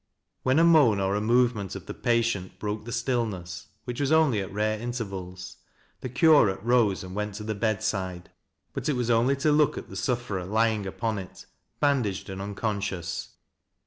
When a mof.n or a movement of the patient broke the stillness — which was only at rare intervals — the curate rose and went to the bedside. But it was only to look at the suf ferer lying upon it, bandaged and unconscious.